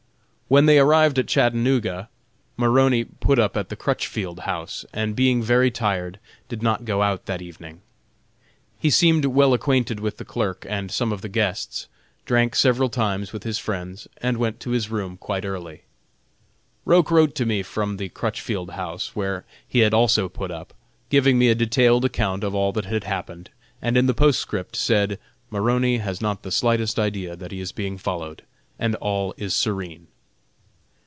When they arrived at Chattanooga. Maroney put up at the Crutchfield House, and being very tired did not go out that evening. He seemed well acquainted with the clerk and some of the guests, drank several times with his friends, and went to his room quite early. Roch wrote to me from the Crutchfield House, where he had also put up, giving me a detailed account of all that had happened, and in a postscript said "Maroney has not the slightest idea that he is being followed, and all is serene."